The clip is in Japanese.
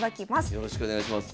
よろしくお願いします。